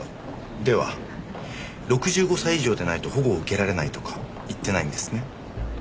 では６５歳以上でないと保護を受けられないとか言ってないんですね？